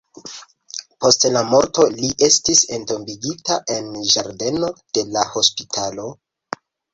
Post la morto li estis entombigita en ĝardeno de la hospitalo.